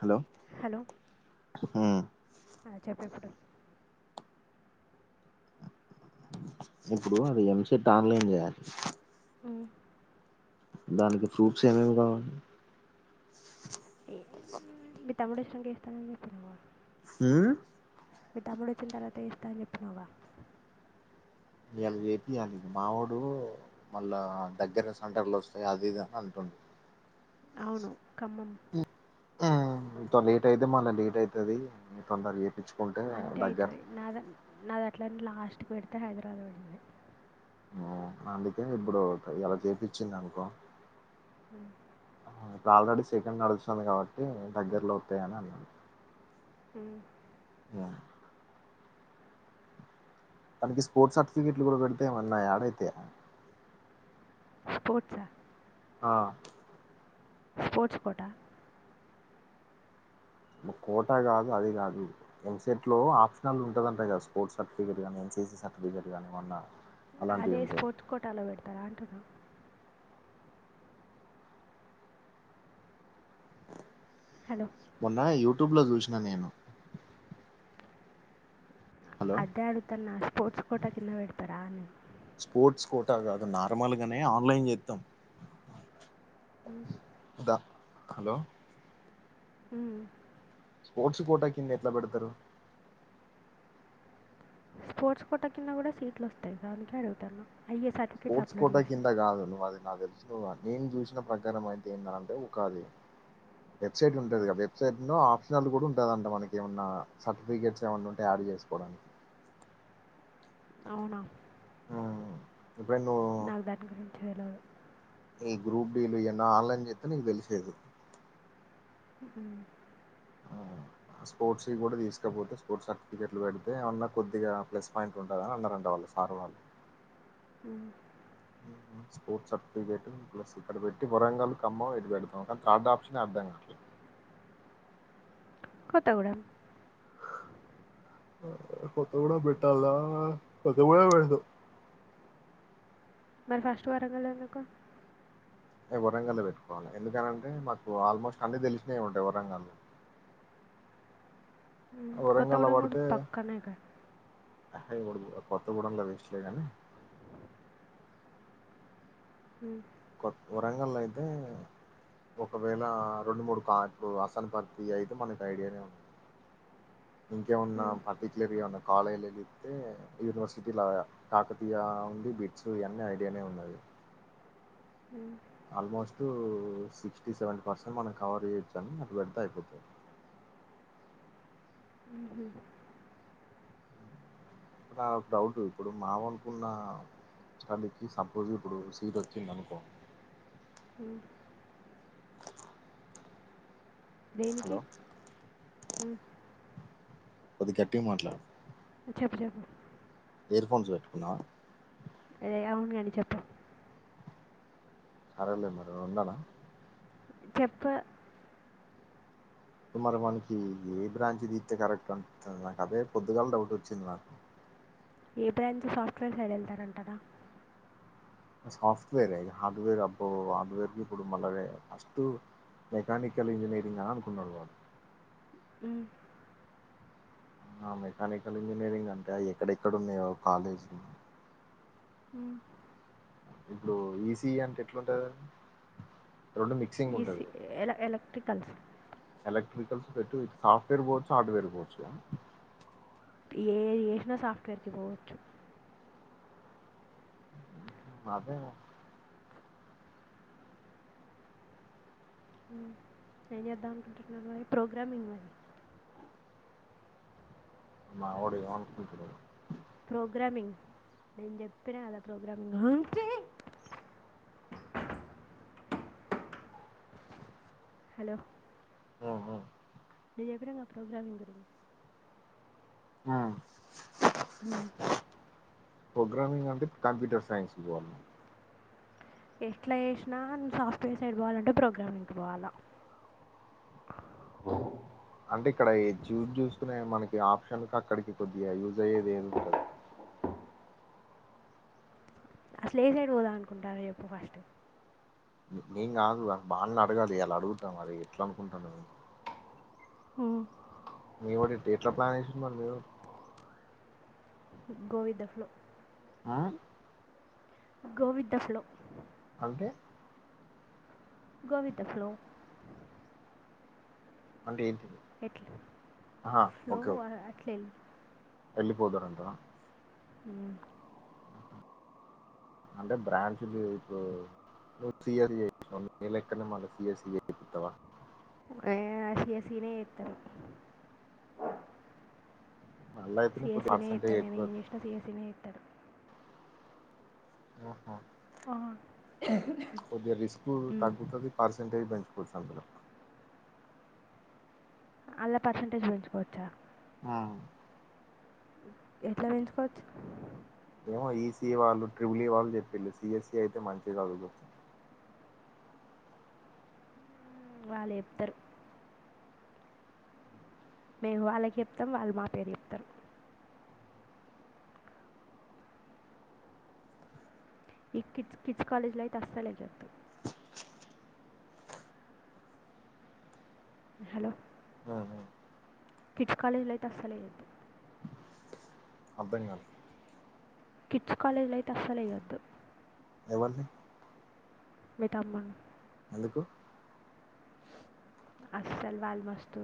Hello hello ఉ చెప్పు ఇప్పుడు ఇప్పుడు అది ఎంసెట్ ఆన్లైన్ చేయాలి. దానికి ప్రూఫ్స్ ఏమేమి కావాలి? మీ తమ్ముడు వచ్చినాక వెస్తానని చెప్పినావుగా ఊమ్ మీరు తమ్ముడు వచ్చిన తర్వాత ఏస్తా అని చెప్పినావ ఇయాల ఏపియ్యాలి మావోడు మళ్ళా దగ్గర సెంటర్లు వస్తాయి అది ఇది అని అంటుం అవును ఖమ్మం ఊమ్ తో లేట్ అయితే మళ లేట్ అయితది తొందర చెయ్ అట్టే అయితది నాద నాద అట్లా లాస్ట్కి పెడితే హైదరాబాద్ పడితే అ అందుకే ఇప్పుడు ఇయ్యాల చేయిపిచ్చింది అనుకో అ ఇప్పుడు ఆల్రెడీ సెకండ్ నడుస్తుంది కాబట్టి దగ్గర్లో వస్తయని అన్నారు. మ్ ఇ తనకి స్పోర్ట్స్ సర్టిఫికెట్లు కూడా పెడితే ఏమన్నా యాడ్ అయితయ స్పోర్ట్స్ ఆ ఆ స్పోర్ట్స్ కోట కోట కాదు అది కాదు ఎంసెట్ లో ఆప్షనన్ల్ ఉంటదంటా కదా స్పోర్ట్స్ సర్టిఫికేట్ అనీ హెచ్ ఈ సి సర్టిఫికెట్ గాని ఏమన్నా అలాంటివి అదే ఉంటే స్పోర్ట్స్ కోటాలో పెడతారా అంటున్నా హలో మొన్న యూట్యూబ్ లో చూసినా నేను హలో అదే అడుగుతాన్న స్పోర్ట్స్ కోట కింద పెడతారా అని ఫోటా కాదు నార్మల్గానే ఆన్లైన్ చేత్తం మ్ హలో మ్మ్ స్పోర్ట్స్ కోటా కింద ఎట్లా పెడుతరు స్పోర్ట్స్ కోట కింద కూడా సీట్లు వస్తాయి దానికే అడుగుతాన్న స్పోర్ట్స్ కోట కింద కాదు నువ్వు అది నాకు తెలుసు లే నేను చూసిన ప్రకారం అయితే ఏందంటే ఓకాలు వెబ్సైట్ ఉంటాది కదా వెబ్సైట్ లో ఆప్షనల్ కూడా ఉంటదాంట మనకి ఏమన్నా సర్టిఫికేట్స్ ఏమన్నా ఉంటే ఎసుకోవడానికి అవునా అవును ఇప్పుడు ఎందో నాకు దాని గురించి తెలవదు ఏ గ్రూప్ డీ [unintelligible] లు ఏమన్న ఆన్లైన్ చేత్తే నీకు తెలిసేది అహ స్పోర్ట్స్ వి కూడా తీసుకపోతే స్పోర్ట్స్ సర్టిఫికెట్లు పెడితే ఏమన్నా కొద్దిగా ప్లస్ పాయింట్ ఉంటాదని అందరు అంటళ్ళు సర్ వాళ్ళు [inaudible] స్పోర్ట్స్ సర్టిఫికెట్ ప్లస్ ఇక్కడ పెట్టి వరంగల్ కమ్మం అటు పెడతాం కానీ థర్డ్ ఆప్షన్ అర్ధం కావట్లే కొత్తగూడెం కొత్తగూడెం పెట్టాలా కొత్తగూడెం వద్దు మరి ఫస్ట్ వరంగల్ ఎందుకు వరంగల్ లే పెట్టుకోవాల్ల ఎందుకని అంటే మాకు ఆల్మోస్ట్ అన్ని తెలిసినవే ఉంటాయి వరంగల్ లో మ్మ్. వరంగల్ కొత్తగూడెం కూడా ల్లోపడితే పక్కనే కదా కొత్తగూడెం లొ వేస్ట్ లే కాని మ్మ్ కొత్ వరంగల్లో వద్దు ఒకవేళ రెండు మూడు సాట్లు అసనపర్తి అయితే మనకి ఐడియానే ఉంది దింట్లొ ఉన్నా మ్మ్. పర్టిక్యులర్గా ఏమన్న కాలేజీలు చూత్తే యూనివర్సిటీల కాకతీయ ఉంది బిట్స్ అన్నీ ఐడియానే ఉన్నాయి మ్మ్. ఆల్మోస్ట్ సిక్స్టీ సెవెంటీ పర్సెంట్ మనం కవర్ చేయొచ్చు అని నాకు పెడతే అయిపోతాది మ్మ్. ఇప్పుడ ఒక డౌట్ ఇప్పుడు మావి అనుకున్న క [unintelligible] లికి సపోజ్ ఇప్పుడు సీట్ వచ్చింది అనుకో హ్మ్ దేనికి హలో! ఉ కొద్ది గట్టిగా మాట్లాడు చెప్పు చెప్పు ఇయర్ ఫోన్స్ పెట్టుకున్నవ? యేం లేదు చెప్పు. సరేలే మరి. ఉండనా? చెప్పు మరి వానికి ఏ బ్రాంచ్ దీత్తె కరెక్ట్ అనిపిత్తాన్ది? నాకు అదే పొద్దుగాల డౌట్ వచ్చింది నాకు ఏ బ్రాంచ్ సాఫ్ట్వేర్ సైడ్ ఎళ్తారంటారా? సాఫ్ట్వేరె ఇగ హార్డ్వేర్ అబ్బో హార్డ్వేర్ కి ఇప్పుడు మళ్ళ వె అస్తు మెకానికల్ ఇంజనీరింగ్ ఆ అనుకున్నాడు వాడు. మ్మ్. ఆ మెకానికల్ ఇంజనీరింగ్ అంట. ఎక్కడెక్కడ ఉన్నాయో కాలేజ్ లు మ్ ఇప్పుడు ఈ సీజస్ కి ఎట్లుంటది అది? రొండు మిక్సింగ్ ఉంటది కదా టికల్స్. ఎలక్ట్రికల్స్ పెట్టు ఇటు సాఫ్ట్వేర్ పోవచ్చు, హార్డ్వేర్ పోవచ్చిగ. ఏవి చేసినా సాఫ్ట్వేర్ కి పోవచ్చు. అదే మ్మ్ ఏం చేద్దాం అనుకుంటున్నారు? మరి ప్రోగ్రామింగ్ మరి మావోడు ఏమనుకుంటున్నడో ప్రోగ్రామింగ్ నేను చెప్పిన కదా ప్రోగ్రామింగు. చే హలో ఆ అ నే చెప్పినాన్ గా ప్రోగ్రామింగ్ గురిన్ ఆ మ్ ప్రోగ్రామింగ్ అంటే, కంప్యూటర్ సైన్స్ కి పోవల్ల. ఎట్ల చేసినా, నువ్ సాఫ్ట్వేర్ సైడ్ పోవాలంటే ప్రోగ్రామింగ్కి పోవాల. ఓ అంటే ఇక్కడ ఈ చూజ్ చూసుకునే మనకి ఆప్షన్ కి అక్కడికి కొద్దిగ యూజ్ అయ్యేదెం ఉంటది? అసలు ఏ సైడ్ పోదాం అనుకుంటారు చెప్పు ఫస్ట్. నేన్ కాదు వా బాల్లన్ అడగాలి. ఈయల అడుగుతా మరి ఎట్లనుకుంటాన్నరో హ ఎవడ్ ఎట్, ఎట్ల ప్లాన్ ఏసిండు మరి మీవోడు? Go with the flow. ఆ గో విత్ ద ఫ్లో. అంటె గో విత్ ద ఫ్లో. అంటే ఏన్ ఎట్ల, ఫ్లో అట్లెల్ వెళ్ళిపోతారంటవ? మ్ అంటే బ్రాంచ్ ది ఇప్పు నువ్వు సియర్ చేసినావ్. నీ లెక్కనే మళ్ళీ సిఎస్సి చేపిత్తవా? ఏ, సిఎస్సి నె ఏత్తరు. మళ్ళీ అయితేనే కొద్దిగా సిఎస్సి నే చెత్త. పర్సంటేజ్ ఎక్కువ నేనేం చేసినా సిఎస్సి నె చేత్తడు. ఓహ కొద్దిగా రిస్కు తగ్గుతది. పర్సెంటేజ్ పెంచు పుడ్ సందులో. అల పర్సంటేజ్ పెంచుకోవచ్చా? ఆ ఎట్లా పెంచుకోవచ్చు ఏమో ఈసీ వాళ్ళు ట్రిబుల్ ఈ వాళ్ళు చెప్పిళు సిఎస్ఈ అయితే మంచిగా చదువుకోచ్చని వాళ్ళు ఎప్పరు మేము వాళ్ళకి చెప్తాం వాళ్ళు మా పేరు చెప్తారు ఈ కిడ్స్ కిడ్స్ కాలేజ్ లైతే అస్సలెయ్యదు హలో హ్మ్. హ్మ్. కిడ్స్ కాలేజీ లో అయితే అస్సలెయ్యదు అర్థం కాదు కిట్స్ కాలేజ్ లో అయితే అస్సలెయ్యొద్దు ఎవరిని మీ తమ్ముని ఎందుకు అస్సల్ వాల్ మస్తు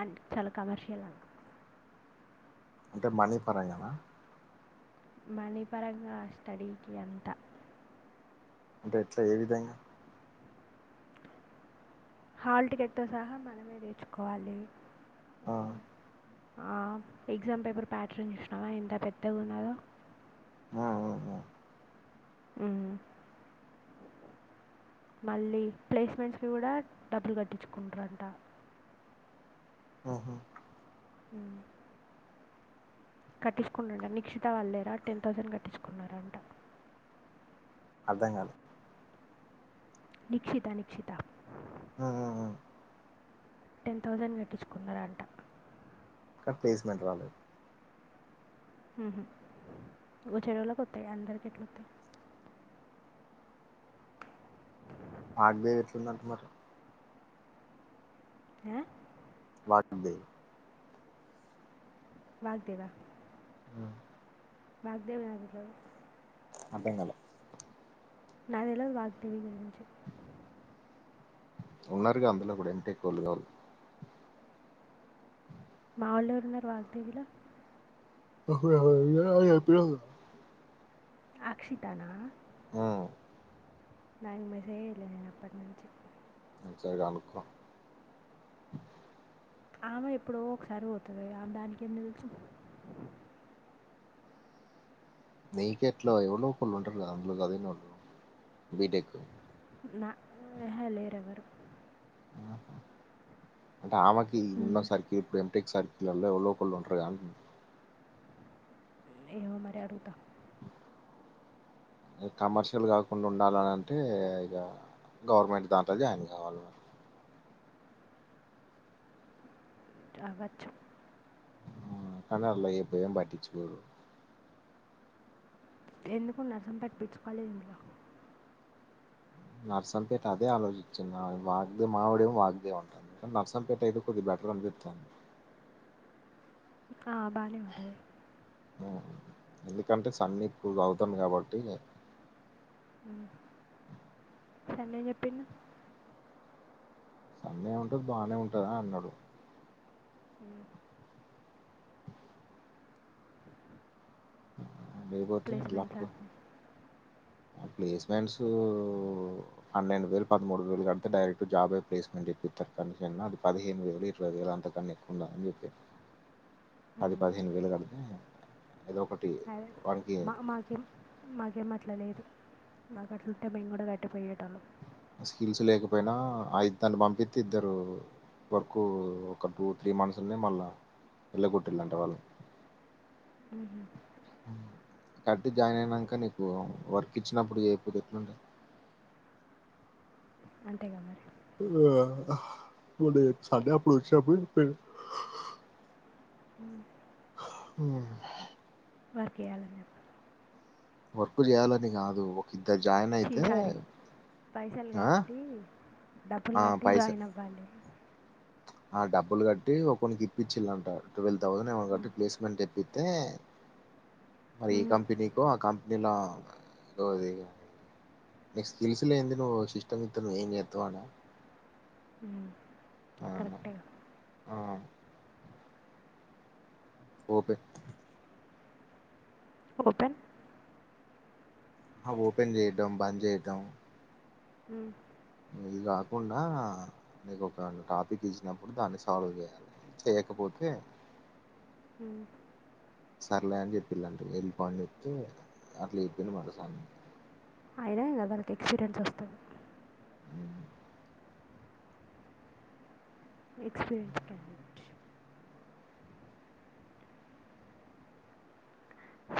అండ్ చాలా కమర్షియల్ అన్ అంటే మనీ పరంగానా మనీ పరంగా స్టడీకి అంతా అంటే ఎట్లా ఏ విధంగా హాల్ టికెట్తో సహా మనమే తెచ్చుకోవాలి ఆ, ఆ ఎగ్జామ్ పేపర్ ప్యాటర్న్ చూసినావా ఎంత పెద్దగున్నదో ఆ, ఆ, ఆ. మ్ మళ్ళీ ప్లేస్మెంట్స్ కూడా డబ్బులు కట్టించుకుంటారంటా మ్మ్. మ్ కట్టించుకున్నంట నిక్షిత వాళ్ళలేరా టెన్ పర్సెంట్ కట్టించుకున్నారంట అర్ధం కాలా నిక్షిత నిక్షిత మ్మ్, మ్మ్, మ్మ్. టెన్ థౌసండ్ కట్టించుకున్నారంట క ప్లేస్మెంట్ వాలు ఉహు వచ్చేవాళ్ళ కొత్తాయ్ అందరికెట్లోత్తాయ్ ఆగబేద ఎట్లుందంట మరి ఆ వాగ్దే వాగ్దేవ్ ఆ మ్ వాగ్దేవ్ రాదిలో అర్ధం కాలా నాక్ తెలవదు వాగ్దేవ్ గురించి ఉన్నారుగా అందులో కూడా ఎంటెక్ వాళ్ళు కాల్ ఆల్లెవరున్నారు వాగ్దేవిల వహుయావ్ వుయావ్ ఏపీడవ్ అక్షితానా ఆ నైన్ మెసేజ్ అయినాయి అప్పట్ నుంచి నీచెదనుకో ఆమె ఎప్పుడో ఒకసారి పోతుంది ఇగ దానికేం తెల్సు నెయకెట్లో ఎవళ్ళో ఒకళ్ళు ఉంటారు కదా అందులో చదినోళ్ళు బీటెక్ నాహ లేరెవ్వరు ఊహు అంటే ఆమాకి ఈ విన్నో ఉమ్, సార్కి ఇప్పుడు ఎంటెక్ సార్కి ఎవళ్ళో ఒకళ్ళు ఉంటారు కదా అని ఏమో మరి అడుగుత కమర్షియల్ కాకుండా ఉండాలని అంటే ఇగ గవర్నమెంట్ దాంట్లో జాయిన్ కాళ్ల అవచ్చు కనర్లో ఇప్పు ఎం పట్టిచుకోరు ఎందుకో నర్సం పట్టిపిచుకలేమ్ర నర్సంపేట అదే ఆలోచించింది వాగ్దే మా వాడేమో వాగ్దేవ్ అంటునడు నర్సంపేట అయితే కొద్ద [unintelligible] ఆ బానే ఉంటది ఎందుకంటే సన్నీ ఇప్పుడు చదువుతాండూ కాబట్టి చెన్నప్పిన్ సందే ఉంటుది బాగానే ఉంటదాని అన్నాడు లేేపోతే ప్లేస్మెంట్ కు సార్ ప్లేస్మెంట్స్ అన్నెైన్ వేలు పదమూడు వేలు కతే డైరెక్ట్ జాబ్ ప్లేస్మెంట్ రేపు ఊతప్ పనికెల్న అది పదిహేను వేలు ఇరవై వేలు అంతకన్నా ఎక్కువ ఉండదని చేపిర్రు అ పది పదిహేను వేలు కడితే ఏదో ఒకటి సరే వానికి మా మాకేం మాకేం అట్లాలేదు మాకు అట్లా ఉంటే మేము కూడా కట్టకపోయేటోల్ల స్కిల్స్ లేకపోయినా ఆయి దాన్ని పంపిస్త ఇద్దరు వరకు ఒక టూ త్రీ మంత్స్నే మళ్ళా వెళ్ళగొట్టటిళ్ళంటే వాళ్ళు ఉహు. కట్టి జాయిన్ అయినాక నీకు వర్క్ ఇచ్చినప్పుడు ఏయిపోతే ఎట్లుండే అంతేగా మరి ఆ మంట సాడేప్పుడుచ్చ ప ప ఉమ్. అ వర్క్ [unintelligible] వర్క్ చేయాలని కాదు ఒక ఇద్దరు జాయిన్ అయితే చిసారి పైసలు ఆ కట్టి డబ్బులు ఆ కట్టి పైస జాయిన్ అవ్వాలి ఆ డబ్బులు కట్టి ఒక కొకి ఇప్పించింట ట్వల్వ్ థౌండ్మ కట్టి ఉమ్. ప్లేస్మెంట్ ఐతే మరి ఈ ఉమ్. కంపెనీకో ఆ కంపె [unintelligible] మీకు స్కిల్స్ లేనిది నువ్వు సిస్టమిస్తే ఏం చేస్తావ్ ఆడ ఉ కరెక్ట్ ఆ గా ఆ ఒపే ఓపెన్ ఓపెన్ చేయటం బంద్ చేయటం హ ఇది కాకుండా నీకు ఒక టాపిక్ ఇచ్చినప్పుడు దాన్ని సాల్వ్ చేయాలి చేయకపోతే కే హ సర్లే అని చెపిలాట వెళ్ళిపో అని చెప్తే అట్లా చెప్పింది మస అయినా వాళ్ళకి ఎక్స్పీరియన్స్ వస్తది ఎక్స్పీరియన్స్ కాండీడ్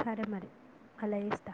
సరే మరి అలా చేస్తా